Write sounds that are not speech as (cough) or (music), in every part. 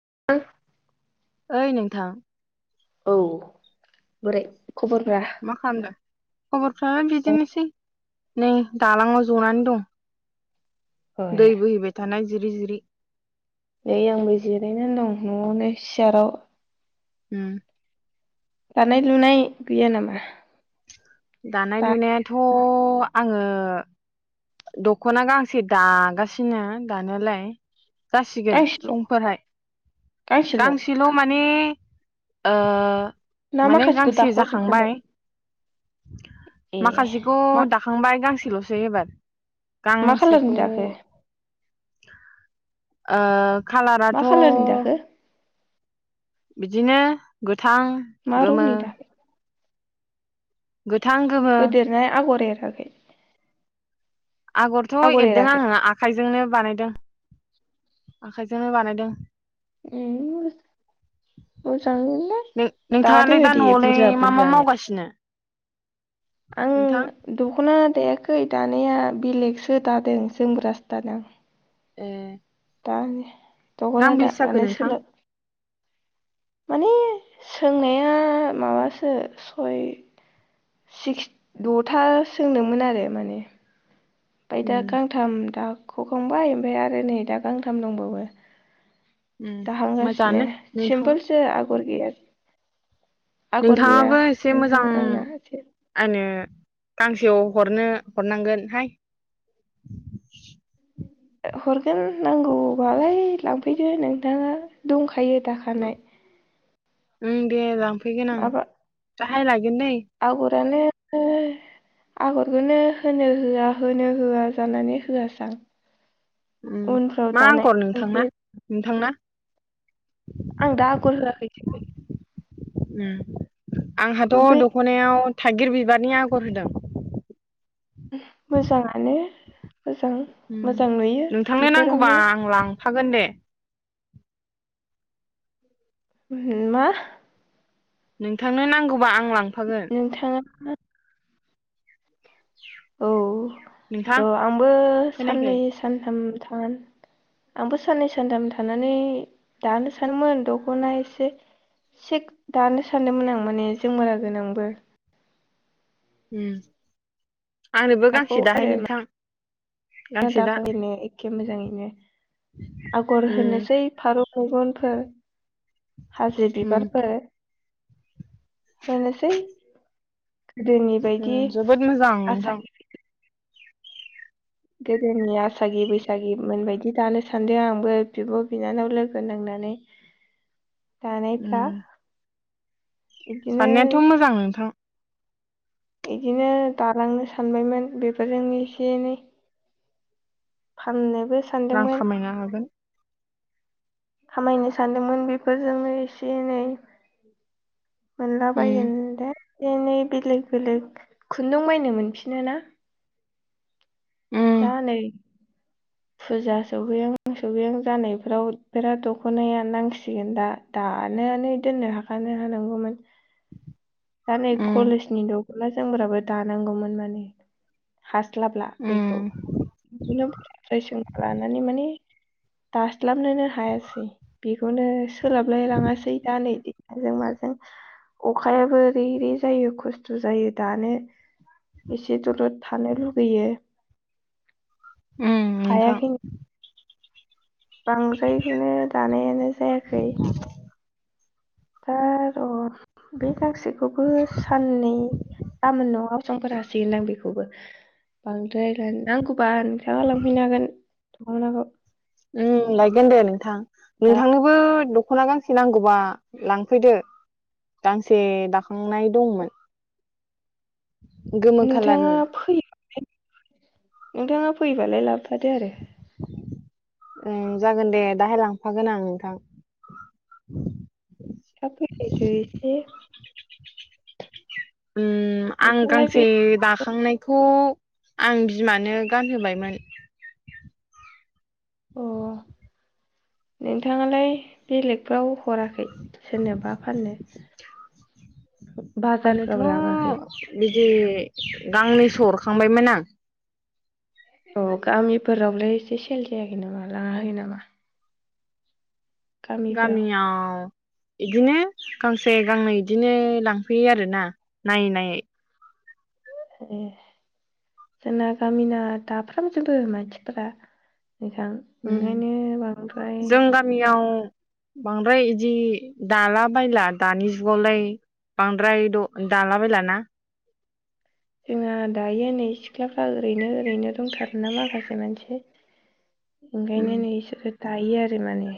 (inaudible) ओइ नोंथां औ बोरै खबरफ्रा? मा खालामदों खबर खाया (unintelligible) बिजोंनोसै नै दालङाव जनानै दं। दै बोहैबाय थानाय जिरि जिरि नै आंबो जिरायनानै दं नवावनो सियाराव उम दानाय लुनाय गैया नामा? दानाय दा लुनायाथ' आंङो दखना गांसे दागासिनो दानायालाय। जासिगोन गांसेल' सफोरहाय गांसेल माने ओ ना माने माखासेखौ गांसे दाख'जोबखांबाय जाखांबाय ए माखासेखौ मा दाखांबाय गांसेल एबार मा खालारनि गांसेखौ दाखो? (inaudible) ओ मा खालाराथ' खालारनि दाखो बिदिनो गोथां, मा गोमो रंनि दाखो गोथां गोमो होदेरनाय आगर एर (inaudible) आगरथ एरदों आंङो आ आखाइजोंनो बानायदों आखाइजोंनो बानायदों। उम मोजाङैनो नोंथाङालाय दादो दा दे न'आवलाय बुरजा मा मा बुरजानो। मावगासिनो आं नोंथां दखना दायाखै दानाया बेलेगसो दादों जोमग्रासो दादों। ए दानि दखना गांबेसे जाखो दानो नोंथां सोलाब होय सोंनाया माबासो सय सिक्स दथा सोंदोंमोन आरो माने ओमफाय दा उम गांथाम दा खखांबाय ओमफफ्राय आरो नै दा गांथाम दंबावो उम दाहांगासिनो मोजाङानो नोंथाङा सिम्पोलसो आ गर गैया आगर गैया नोंथाङाबो एसे नोंथां मोजां आंना एसे आनो गांसेयाव हरनो हरनांगोन हाय ओ हरगोन नांगौबालाय लांफैदो नोंथाङा दंखायो दाखानाय उम दे लां फैगोन आं दाहाय लाय गोन दै रानो आगरखौनो होनो होआ होनो होआ जानानै होआसै आं ओम उनफ्राव मा दानाय आंगर खनसे नोंथांना नोंथांना? आं दा आगर होआखै ओम आंहाथ' बे दख'नायाव थाइगिर बिबारनि आगर होदों ओम मोजाङानो मोजां उम मोजां नुयो नोंथांनो नांगौबा बेफोरावनो आं लांफागोन दे उह मा? नोंथांनो नांगौबा आं लांफागोन नोंथाङा औ नोंथां र' आंबो खोनायाखै साननै सानथाम थान आंबो साननै सानथाम थानानै दानो सानोमोन दख'ना एसे सेग दानो सानदोंमोन आं माने जों मोराजों नोंबो उम आंनोबो गांसे दाहाय नोंथां दा दाख्लैनो एखे मोजाङैनो आगर उम होनोसै फारौ मेगनफोर हाजो उम बिबारफोर (inaudible) होनोसै गोदोनि ओम बायदि जोबोद मोजां नोंथां आसागि गोदोनि आसागि बैसागि मोनबायायदि दानो सानदों आंबो बिब' बिनानाव लोगो नांनानै दानायफ्रा उम इदिनो साननायाथ' मोजां नोंथां। इदिनो दालांनो सानबायमोन बेफोरजोंनो एसे एनै। फाननो रां खामायनो हागोन। खामायनो सानदोंमोन बेफोरजोंनो एसे एनै। मोनला बायो उम एन्दे एनै बेलेक बेलेक खुन्दुं बायनो मोनफिनो ना उम दा नै फुजा सौफैहां सौफैहां जानायफोराव बिराद दख'नाया नांसिगोन दा दानो दानानै दोननोहाखानो हानांगौमोन। जा नै उम कलेज नि द खना जोमग्राबो दानांगौमोन-मोन हार हास्लाबला बेखौ। उम बिदिनो सोंना लानानै माने दास्लाबनोनो हायासै बेखौनो सोलाबलाय लाङासै दा नै अखाजों माजों अखायाबो रि रि जायो खस्थ' जायो दानो। एसे दलथ थानो लुबैयो बैयो उम नोंथां। बांद्रायखौनो दानायानो जायाखै। ओ र बे गासैखौबो साननै गामोन न'आव फोर हासिगोनदां बेखौबो। बांद्राय आं बा नोंथाङा लांफैनो हागोन। दखनाखौ उम लायगोन दे नोंथां। दा नोंथांनोबो दख'ना गांसे नांगौबा लांफैदो, गांसे दाखांनाय दंमोन। गोमो नोंथाङा खालारनि फैया खै नोंथाङा फैयोबालाय लाबो फादो आरो। ओम जागोन दे दाहाय लांफागोन आं नोंथां। थाब फैलाय दो एसे। (unintelligible) ओम आं नोंथाङालाय गांसे बे दाखांनायखौ आं बिमानो गानहोबायमोन। अ नोंथाङालाय बेलेगफ्राव हराखै? सोरनोबा फाननो बाजारफ्राव लाङाखै? जि गांनैसो हरखांबायमोन आं। अ गामिफोरावलाय एसे सेल जायाखै नामा लाङाखै नामा? गामिफोराव गामियाव इदिनो गांसे गांनै बिदिनो लांफैयो आरोना नायै नायै। ए जोंना गामिना दाफ्रामजोबो मानसिफोरा। नोंथां उम ओंखायनो बांद्राय जों गामियाव बांद्राय इदि दाला बायला दानि जुगावलाय बांद्राय द दाला बायलाना। जोंहा दायो नै सिख्लाफ्रा ओरैनो ओरैनो दंथारो ना माखासे मानसि। उम ओंखायनो नै दायो आरो माने।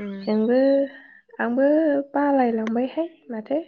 उम जोंबो आंबो बालायलांबायहाय माथो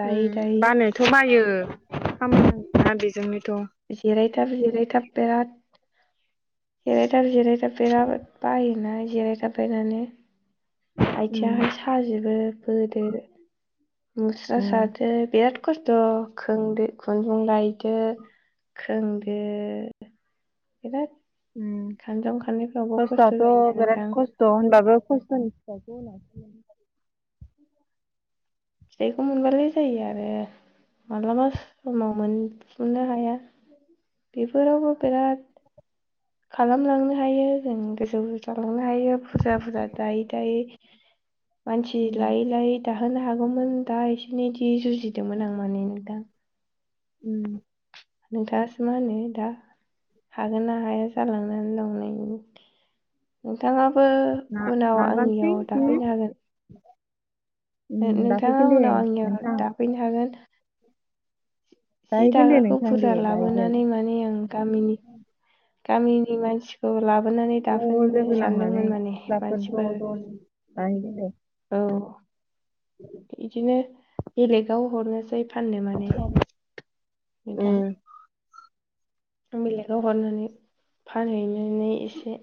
दायै ओम दायै बानायाथ' बायो। (unintelligible) बेजोंनोथ' जिराय थाब जिराय थाब बिराद (unintelligible) दा जिरायथाब बिराद बायोना। जिराय थाबायनानै उम आथिहाय साजोबो। (unintelligible) मुस्रा उम सादो बिराद खस्थ' खोन खुन्दुं लायदो खोंदो बिराद ओम खानजं खाननायफ्रावबो खस्थ' खस्थआथ' जायोना बिराद नोंथां खस्थ' होनबाबो खस्थ'नि फिथाइखौ उनावसो मोन (unintelligible) फिथाइखौ मोनबालाय जायो आरो। मालाबा समाव मोनफुंनो हाया बेफोरावबो बिराद खालामलांनो हायो जों गोजौ जालांनो हायो। बुरजा बुरजा दायै दायै मानसि उम लायै लायै दा होनो हागौमोन दा इसिनि दि बिदोंमोन आं माने नोंथां। अम नोंथाङासो मा होनो दा हागोन ना हाया जालांनानै दं नै नोंथाङाबो ना उनाव नाजानोसै आंनियाव बिदिनो दाफैनो हागोन। उम ओ नोंथाङा लाफैगोन दे उनाव आंनियाव नोंथां दाफैनो हागोन जि लायहैगोन दे दाग्राखौ नोंथां दे बुरजा लायहैगोन लाबोनानै माने आं गामिनि गामिनि मानसिखौ ला बोनानै ज' दाफोननो लोगो नांनानै सानदोंमोन माने सिख्लाफोर ज' मानसिफोर ज' लायहैगोन दे औ बिदिनो बेलेगाव हरनोसै फाननो माने नोंथा उम आं बेलेगाव हरनानै फानहैनानै एसे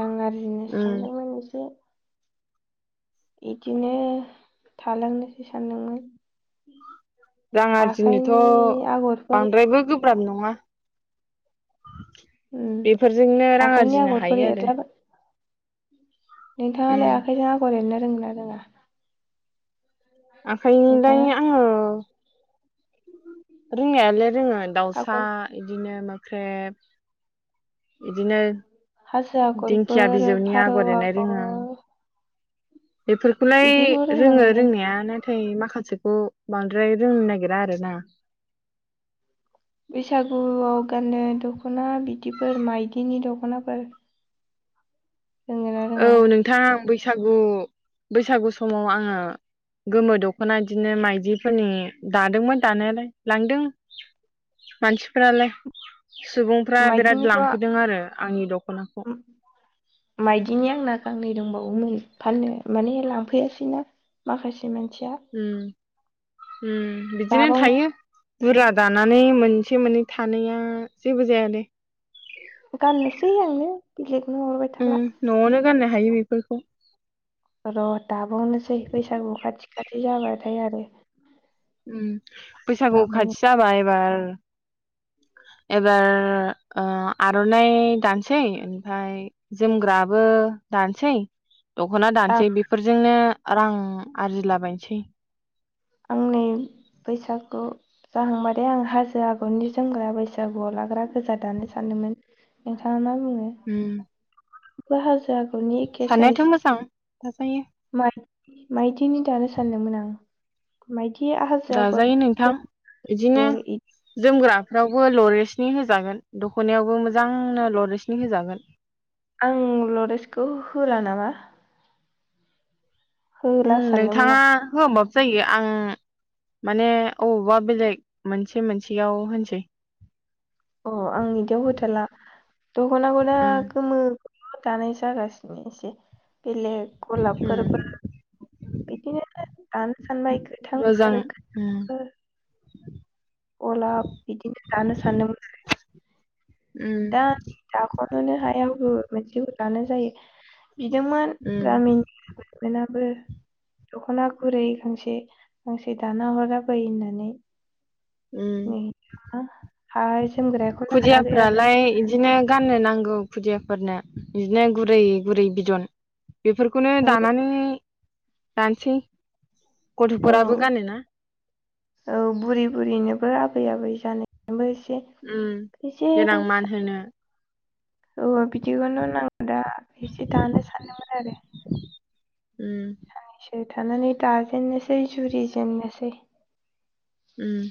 रां आरजिनो उम सानदोंमोन एसे इदिनो थालांनोसै सानदोंमोन। रां आखाइनि आरजिनोथ' आगरफोर बांद्रायबो गोब्राब नङा उम बेफोरजोंनो रां आखाइनि आरजिनो आगरफोर हायो आरो। एरलाबाय उम नोंथाङालाय आखायजों आगर एरनो रोंगो ना रोङा आखायनिलाय नोंथाङा आंङो रोंनायालाय रोंङो दाउसा आगर इदिनो मो ख्रेब हाजो दिंखिया आगरफोर बिजौनि फारौ एरनाय रोङो आगर आं बेफोरखौलाय बिदिखौ रोङो रोंनांगोन रोंनाया ना थाय माखासेखौ बांद्राय रोंनो नागिरा आरो ना। बैसागुआव गाननो दख'ना बिदिफोर मायदिनि दख'नाफोर रोङोना औ रोङा? नोंथां बै सागु बैसागु समाव आंङो गोमो दख'ना बिदिनो माइदिफोरनि दादोंमोन दानायालाय लांदों मानसिफोरालाय सुबुंफ्रा बिराद माइदिनिखौ लांफैदों आरो आंनि दख'नाखौ। माइदिनि आंना गांनै दंबावोमोन फाननो माने लांफैआसैना माखा से मोनसिया। अम बिदिनो थायो। बुरजा दानानै मोनसे मोननै थानाया जेबो जाया दे। गाननोसै आङो बेलेग उम न'आवनो गानो हायो बेफोरखौ। र' दाबावनोसै बैसागु खाथि खाथि जाबाथाय आरो। उम बैसागु लाबावनो खाथि जाबाय एबार । एबार ओ आर'नाइ दानोसै ओमफ्राय जोमग्राबो दानोसै दख'ना आं दानसै बेफोरजोंनो रां आरजिला बायनोसै । आंनि नै बैसागु जाहांबा थाय आं हाजो आगरनि जोमग्रा बैसागुआव लाग्रा गोजा दानो सानदोमोन नोंथाङा मा उम बाहागो थानोयाथ' मोजां थाजायो । माइदिनि दानो सानदोंमोन आं माइ दाजायो नोंथां इदिनो जोमफु आरो इदि जोमग्रा फोरावबो लरेसनि होजागोन दख'नायावबो मोजांनो लरेसनि होजागोन । आं लरेेजखौ होला नामा उम होला सानदोंमोन नोंथाङा आं होआ ओमबाबो जायो । आं माने अबावबा बेलेग मोनसे मोनसेयाव होनसै । अ आं इदियाव होथ'ला दख'नाखौदा उम गोमो मा दानाय जागासिनो एसे । बेलेग उम गलाबफोरबो बिदिनो दानो सानबाय गोथां मोजां आरो (unintelligible) उम बो । गलाब बिदिनो दानो सानदोंमोन आरो उम दा दाख'नोनो हाया बबे मोनसे दानो जायो । बिदोंमोन उम गामिनि आबैमोनाबो दख'ना गुरै गांसे गांसे दाना हर आबै होननानै । हाय उम जोमग्राखौनो हायाखै आरो खुदियाफ्रालाय इदिनो गाननो ना? नांगौ खुदियाफोरनो बिदिनो गुरै गुरै बिदन बेफोरखौनो औ दानानै दानोसै औ गथ'फोराबो गानोना बुरैनोबो आबै आबै जानायनोबो इ उम देनां मान होनो । औ बिदिखौनो नांगौ दा एसे दानो सानदोंमोन आरो उम थानानै दाजेननोसै जुरि जेननोसै उम